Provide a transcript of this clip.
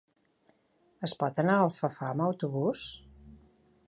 Es pot anar a Alfafar amb autobús?